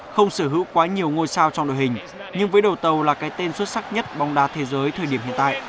không sở hữu quá nhiều ngôi sao trong đội hình nhưng với đầu tàu là cái tên xuất sắc nhất bóng đá thế giới thời điểm hiện tại